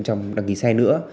trong đăng ký xe nữa